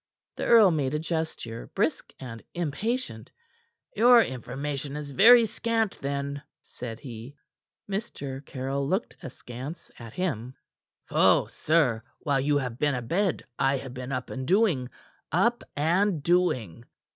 The earl made a gesture, brusque and impatient. "Your information is very scant, then," said he. Mr. Caryll looked askance at him. "Pho, sir! While you have been abed, I have been up and doing; up and doing.